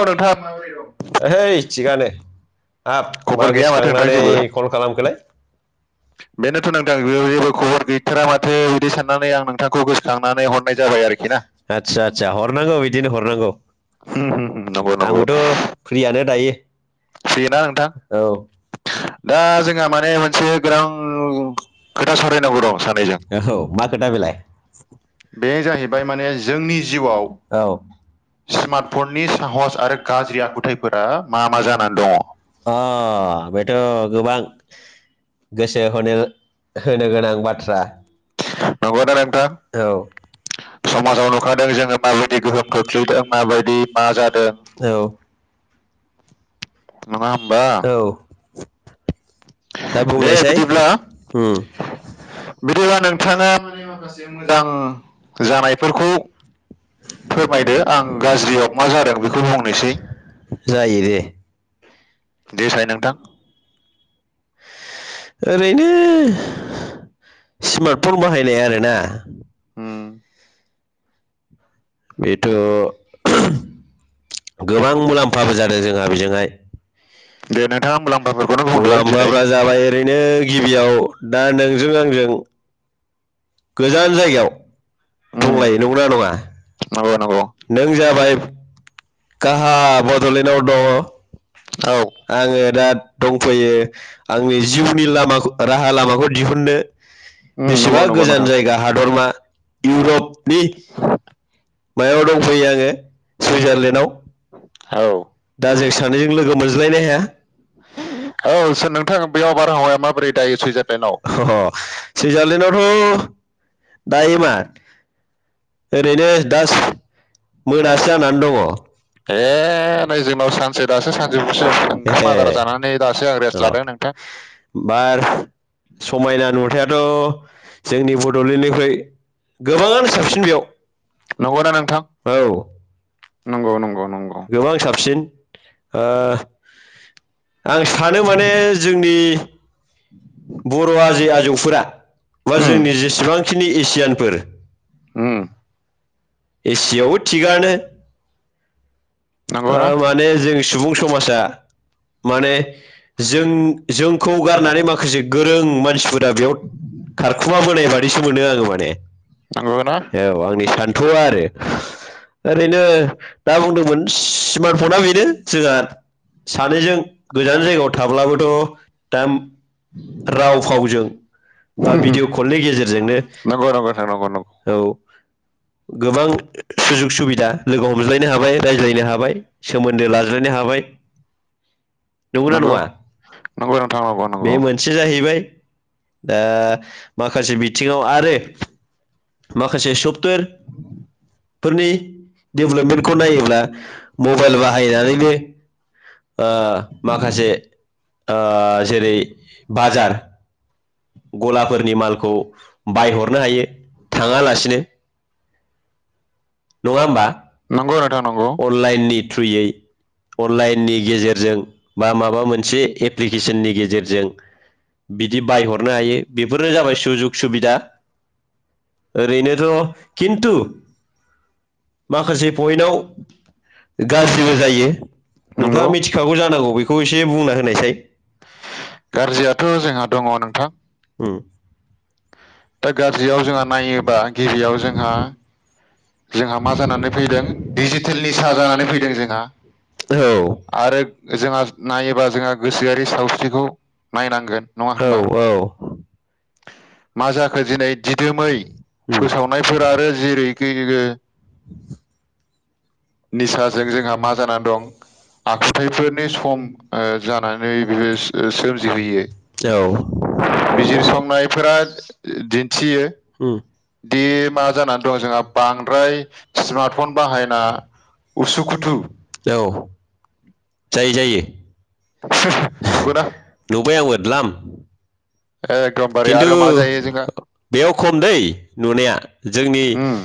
अ नोंथां माबोरै दं? ओहै थिगानो हाब खबर मा गैया माथो नोंथां गोसोखांनानै जेबो कल खालामखोलाय बेनोथ' नोंथां जैबे जेबो खबर गैथारा माथो बिदि साननानै आं नोंथांखौ गोसोखांनानै हरनाय जाद मैयानिस आतसा आतसा हरनांगौ बिदिनो हरनांगौ। होम होम होम नंगौ नंगौ आंबोथ' फ्रियानो दायो। फ्रि ना दा नोंथां औ दा जोंहा माने मोनसे गोनां खोथा सावरायनांगौ दं मोजाङै औहौ मा खोथा बेलाय बे जाहैबाय माने जोंनि जिउआव औ स्मार्टफननि साहस आरो गाज्रि आखुथायफोरा मा मा जानानै दङ? ओ बेथ' गोबां गोसो हनो होनो गोनां बाथ्रा। नंगौना नोंथां? औ समाजाव नुखादों जोङो माबायदि गोहोम खोख्लैदों माबायदि मा जादों औ [inaudible] नङा होमबा? औ दा दे बुंनायसाय बिदिब्ला ओ उम बिदिबा नोंथाङा माने माखासे मोजां जानायफोरखौ फोरमायदो आं गाज्रियाव मा जादों बेखौ बुंनोसै जायो रे देसाय निसाय नोथां नोंथां ओरैनो स्मार्ट फन स्मार्टफन बाहायो बाहायनाय आरोना ना नोंथाङा? उम बेथ' गोबां मुलाम्फाबो जादों जोंहा बेजोंहाय दे नोंथां नोंथाङा होमब्ला ना मुलाम्फाफोरखौनो बेखौ बुंदो दिनै मुलाम्फाफ्रा जाबाय ओरैनो गिबियाव दा नोंजों आंजों खु गोजान जायगायाव उम दंलायो नंगौना नङा? नंगौ नंगौ नों जाबाय गाहा बड'लेण्डआव दङ। औ आङो दा दंफैयो आंनि जिउनि लामाखो ओ राहा लामा अ दिहुननो उम बेसेबा नंगौ नंगौ गोजान नोंथां। जायगा हादरमा इउरपनि मायाव दंफैयो आङो सुइजारलेण्डआव। औ दा जों सानैजों लोगो मोनज्लायनो हाया। औ अ सुइजारलेण्ड थाखायनो बेयाव बारहावाया माबोरै जायो सुइजारलेण्डआव? अह सुइजारलेण्ड आवथ' [inaudible] दायो मा ओरैनो दास मोनासो जानानै दङ। ए नै जोंनाव सानसे हर दासो सानसो सानजौफुसो दासो ओंखाम आदार जायो जानानै ए दासो आं रेस्ट हे लादों नोंथां लानानै दासो जादो [unintelligible] अ बारहा समायना नुथायाथ' जोंनि बड'लेण्डनिख्रुइ गोबाङानो साबसि फैलाव नंगौ ना नोंथां? औ नंगौ नंगौ नंगौ अ गोबां साबसिन। ओ आं सानो माने जोंनि बर' आजै आजौफोरा बा उम जोंनि जेसेबांखिनि एसियानफोर उम एसियायावबो थिगानो ओ माने जों सुबुं नंगौना समाजा माने जों जोंखौ गारनानै माखासे गोरों मानसिफोरा बेयाव खारखुमा बोनाय बादिसो मोनो आङो माने। नंगौ ना औ आंनि सान्थौआ आरो ओरैनो दा बुंदोंमोन स्मार्ट फना बेनो जोङा सानैजों गोजान जायगायाव थाब्लाबोथ' दा राव-फावजों बा भिडिअ' कलनि गेजेरजोंनो, नंगौ नंगौ, औ गोबां सुजुग-सुबिदा लोगो हमज्लायनो हाबाय, रायज्लायनो हाबाय, सोमोन्दो लाज्लायनो हाबाय नंगौना नंगौ नङा? नंगौ नोंथां नंगौ, बे मोनसे जाहैबाय ओ माखासे बिथिङाव आरो माखासे सफ्टवेर फोरनि डेभेलपमेन्टखौ नायो‌ ब्ला मबेल बाहायनानैनो ओ माखासे ओ जेरै-बाजार गलाफोरनि मालखौ बायहरनो हायो थाङालासिनो। नङा होमबा? नंगौ नोंथां नंगौ अनलाइननि थ्रुयै अनलाइननि गेजेरजों बा माबा मोनसे एप्लिकेसननि गेजेरजों बिदि बायहरनो हायो बेफोरनो जाबाय सुजुग-सुबिदा। ओरैनोथ' खिन्थु माखासे पइन्त आव गाज्रिबो जायो। नंगौ नोंथाङा मिथिखागौ जानांगौ, बेखौ एसे बुंना होनायसाय। [inaudible] गाज्रियाथ' गाज्रियाथ' जोंहा जोंना दङ नोंथां नोथां दा गाज्रियाव जोंहा नायोबा गिबियाव जोंहा जोंहा मा जानानै फैदों डिजिटेलनि सा जानानै फैदों जोंहा औ आरो जोंहा नायोबा जोंहा गोसोआरि सावस्रिखौ नायनांगोन नङा होमबा मा जाखो दिेनै बिदिनो फोसावनायफोर मोसावनायफोरा आरो जेर जेरै [inaudible] निसाजों जोंहा मा जानानै दं आखुथायफोरनि सम ओ जानानै बे सोमजिहोयो औ नायफोरा बिजिरसंनायफोरा दिन्थियो दिन्थियो ओम दि मा जानानै दं जोंहा बांद्राय स्मार्टफन बाहायना उसु खुथु औ जायो जायो नंगौना नुबाय आंबो दलाम एकदमबारे इखिन्थु आरो मा जायो जोंहा बेयाव खम दै नुनाया जोंनि उम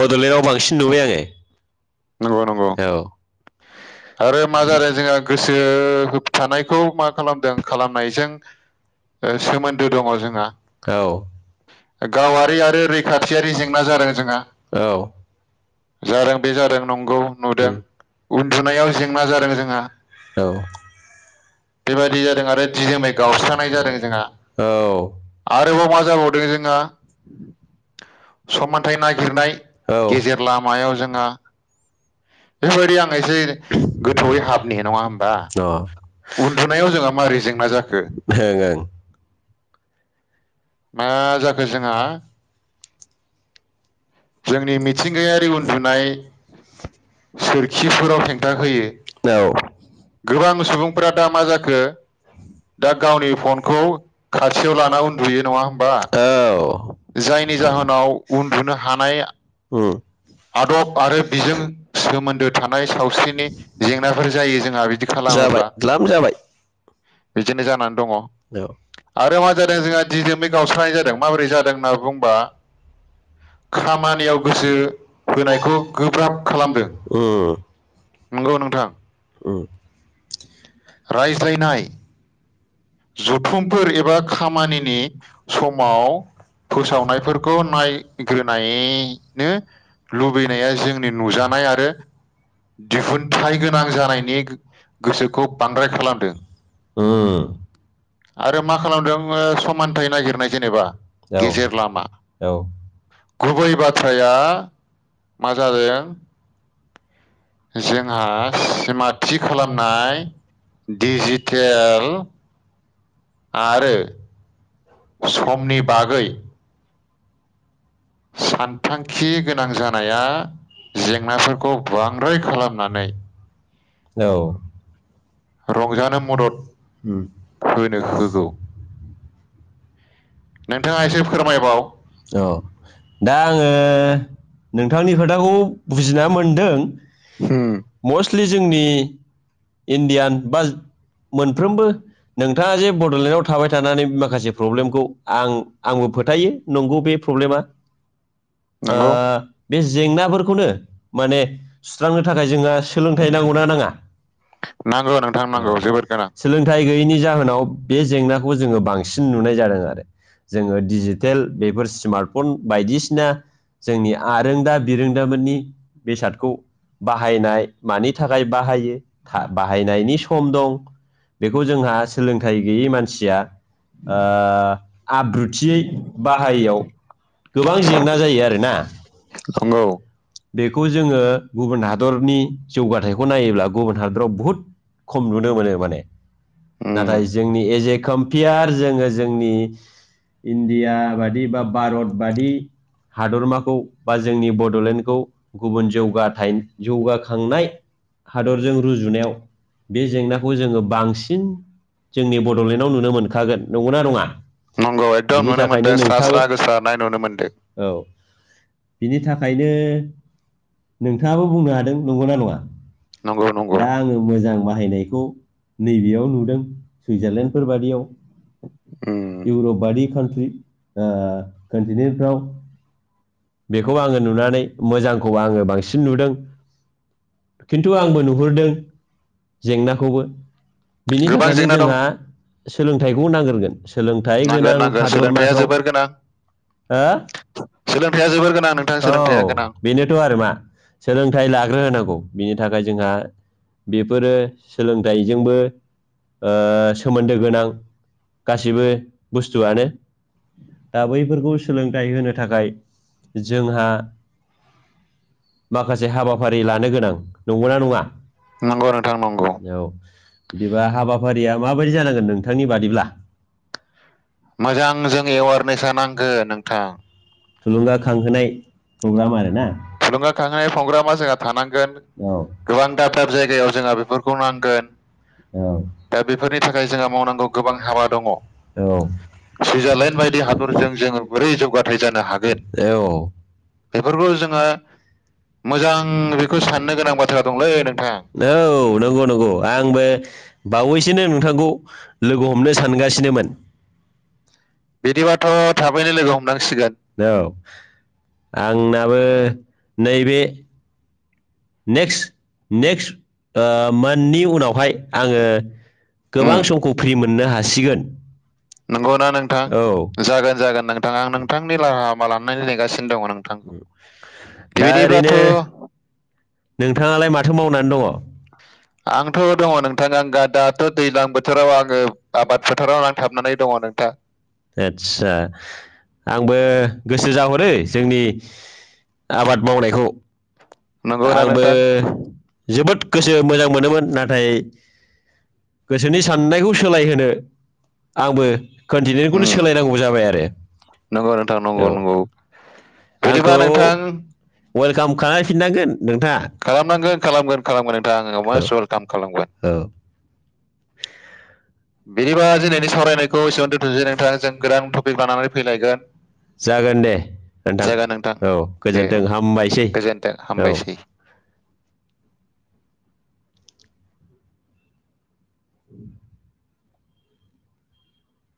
बड'लेण्डआव बांसिन नुबाय आङो नंगौ नंगौ आरो मा जादों जोंहा गोसो होबथानायखौ मा खालामदों खालामनायजों ओ सोमोन्दो दङ जोंहा औ गावारि आरो रैखाथियारि जेंना जादों जोंहा औ औ जादों बे जादों नंगौ नुदों उन्दुनायाव जेंना जादों जोंना औ बेबायदि जादों आरो दि जोनै गावस्रानाय जादों जोंहा औ आरोबाव मा जाबावदों जोंहा समानथाइ नागिरनाय ओं गेजेर लामायाव जोंहा बेबादि आं एसे गोथौयै गोथौै हाबनि खारदों नङा होमबा होनबा उन्दुनायाव जोंहा मारै जेंना जाखो औ [unintelligible] मा जाखो जोंहा? जोंनि मिथिंगायारि उनदुनाय सोरखिफोराव हेंथा हेंन्था होयो फैयो गोबां सुबुंफोरा दा मा जाखो? दा गावनि फनखौ खाथियाव लाना उन्दुयो नङा होमबा जायनि जाहोनाव उन्दुनो हानाय हायो आदब आरो बिजों सोमोन्दो थानाय सावस्रिनि जेंनाबो जायो जोंहा बिदि खालाम जाबाय द्लाम जाबाय बिदिनो जानानै दङ औ आरो मा जादों जोंहा दिदोमै गावस्रानाय जादों माबोरै जादों होनना बुंबा खामानियाव गोसो होनायखौ गोब्राब खालामदों उम नंगौ नोंथां औ रायज्लायनाय जथुमफोर एबा खामानिनि समाव फोसावनायफोरखौ नाय नायग्रोनायनो लुबैनाया जोंनि नुजानाय आरो दिहुनथाइ गोनां जानायनि गोसोखौ बांद्राय खालामदों ओम आरो मा खालामदों समानथाइ नागिरनाय जेनेबा औ गेजेर लामा औ गुबै बाथ्राया मा जादों [unintelligible] जोंहा सिमाथि खालामनाय डिजिटेल आरो समनि बागै सानथांखि गोनां जानाया। जेंनाफोरखौ बांद्राय खालामनानै। औ। रंजानो मदद होनो‌ होनो होगौ बयबो नोंथाङा एसे फोरमायबाव नोंथांनि खोथाखौ बुजिना मोनदों होम मस्टलि जोंनि इण्डियान बाज मोनफ्रोमबो नोंथाङा जे बड'लेण्डआव थाबाय थानानै माखासे प्रब्लेमखौ। आं आंबो फोथायो नंगौ बे प्रब्लेमा। ओ नंगौ बे जेंनाफोरखौनो माने सुस्रांनो थाखाय जोंहा सोलोंथाइन नांगौना नाङा? नांगौ नोंथां औ सोलोंथाइ गैयैनि जाहोनाव बे जेंनाखौ जोङो बांसिन नुनाय जादों आरो जोङो डिजिटेल बेफोर स्मार्ट फन बायदिसिना जोंनि आरोंदा बिरोंदामोननि बेसादखौ बाहायनाय मानि थाखाय बाहायो था बाहायनायनि सम दं बेखौ जोंहा सोलोंथाइ गैयै मानसिया ओ आब्रुथियै बाहायियाव गोबां जेंना जायो आरोना नोंगौ बेखौ जोङो गुबुन हादरनि जौगाथायखौ नायोब्ला गुबुन हाद फ्र बुहुद खम नुनो मोनो माने। उम नाथाय जोंनि एस ए कम्पियार जोङो जोंनि। इण्डिया बादि बा भारत बादि हादरमाखौ बा जोंनि बड'लेण्ड खौ गुब जौगाथाइन जौगाखांनाय हादरजों रु जुनायाव बे जेंनाखौ जोङो बांसिन जोंनि बड'लेण्डआव नुनो मोनखागोन नोंगौना नङा? नंगौ एकदम बिनि नुनो थाखायनो मोनदों स्रा नोंथाबो स्रा गोसारनाय नुनो मोनदों औ। बिनि थाखायनो। नोंथाङाबो बुंनो हादों नंगौनाा नङा नंगौ नंगौ दा आङो मोजां बाहायनायखौ नैबेयाव नुदों [unintelligible] उम इउर'प बादि कान्ट्रि ओ कन्टिनेन्टफ्राव बेखौ आङो नुनानै मोजांखौ आङोब बांसिन नुदों खिन्थु आंबो नु दों जेंनाखौबो बिनि गोबां थाखायनो जेंना दं जोंहा- सोलोंथाइखौ नागिरगोन सोलोंथाइ गोनां नांगोन नांगोन सोलोंथाइया हादरमाफ्राव। हो जोबोर गोनां सलोंथाइआ जोबोर गोनां नोंथां औ बेनोथ' आरो मा सोलोंथाइ लाग्रो होनोनांगौ बिनि थाखाय जोंहा बेफोरो। सोलोंथाइजोंबो ओ सोमोन्दो गोनां गासिबो बुस्थुआनो। दा बैफोरखौ सोलोंथाइ होनो थाखाय जोंहा माखासे हाबाफारि लानो गोनां नंगौना नङा? नंगौ नोंथां नंगौ। औ बिदिबा हाबाफारिया माबायदि जानांगोन नोंथांनि बादिब्ला। मोजां जों जोंनि एवारनेसा जानांगोन नांगोन नोंथां थुलुंगााखांहोनाय। प्रग्राम आरो ना थुलुंगाखांहोनाय प्रग्रामा जोंहा थानांगोन औ। गोबां दाब दाब जायगायाव जोंहा बेफोरखौ नांगोन। औ दा बेफोरनि थाखाय जोंहा मावनांगौ गोबां हाबा दङ। औ सुइजारलेण्ड बायदि हादरजों जोङो बोरै जौगाथाय जानो हागोन। औ बेफोरखौ जोंङो मोजां बेखौ साननो गोनां बाथ्रा द औ नंगौ नंगौ आंबो बावैसोनो नोंथांखौ लोगो हमनो सानगासिनोमोन। बिदिबाथ' थाबैनो लोगो हमनांसिगोन हेलौ। आंनाबो नैबे। नेक्स्ट नेक्स्ट ओ मान्थनि उनावहाय आङो। गोबां उम समखौ फ्रि मोननो हासिगोन। नंगौना औ नोंथां जागोन जागोन नोंथाङा आं नोंथांनि राहलामा लानानै नेगासिनो दङ नों। नोंथां दा ओरैनो बेबायदिब्लाथ'। नोंथाङालाय माथो मावनानै दङ? आंथ' दङ नोंथां आं दाथ' दैजलां बोथोराव आङो आबाद फोथाराव नांथाबनानै दङ नोंथां। दा। आदसा आंबो गोसो जाहरो जोंनि। आबाद मावनायखौ। नंगौना आंबो नोंथां जोबोद गोसो मोजां मोनोमोन नाथाय गोसोनि साननायखौ सोलायहोनो आंबो कन्टिनेन्टखौनो उम सोलायनांगौ जाबाय आरो नंगौ नोंथां औ। नंगौ नंगौ बिदिबा आंखौ नोंथां वेलकाम खानाय खालामनांगोन खालामगोन खालामगोन नोंथां आङो औ मस्ट वेलकाम खालामगोन। औ [inaudible] बिदिबा दिनैनि सावरायनायखौ एसेबां दोन्थ'सै नोंथाङा जों गोदान टपिक लानानै फैलायगोन। जागोन दे जायगा नोंथां औ दे गोजोन्थों हामबायसै गोजोनथों औ हामबायसै। उ।